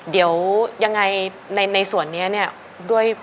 เดี๋ยวยังไงในส่วนนี้เนี่ยด้วย